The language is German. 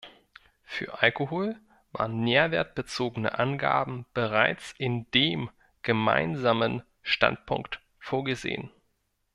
Für Alkohol waren nährwertbezogene Angaben bereits in dem Gemeinsamen Standpunkt vorgesehen.